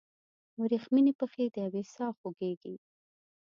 وریښمینې پښې دیوې ساه خوږیږي